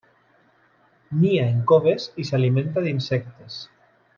Nia en coves i s'alimenta d'insectes.